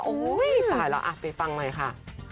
โอ้โฮตายแล้วไปฟังใหม่ค่ะ